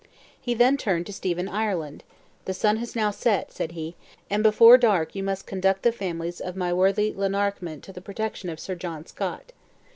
He then turned to Stephen Ireland: "The sun has now set," said he, "and before dark you must conduct the families of my worthy Lanarkment to the protection of Sir John Scott.